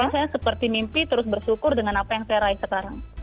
saya seperti mimpi terus bersyukur dengan apa yang saya raih sekarang